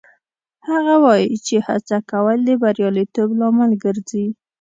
هغه وایي چې هڅه کول د بریالیتوب لامل ګرځي